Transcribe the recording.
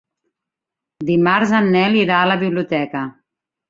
Dimarts en Nel irà a la biblioteca.